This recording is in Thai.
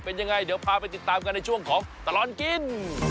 เป็นยังไงเดี๋ยวพาไปติดตามกันในช่วงของตลอดกิน